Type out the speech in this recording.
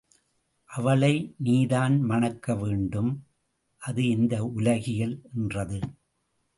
அவளை நீ தான் மணக்க வேண்டும், அது இந்த உலகியல் என்றது.